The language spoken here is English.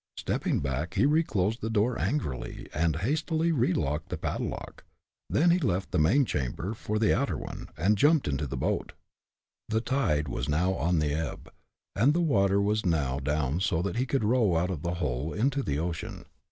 Stepping back he reclosed the door angrily, and hastily relocked the padlock; then he left the main chamber, for the outer one, and jumped into the boat. The tide was now on the ebb, and the water was now down so that he could row out of the hole into the ocean.